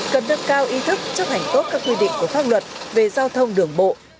cần được cao ý thức chấp hành tốt các quy định của pháp luật về giao thông đường bộ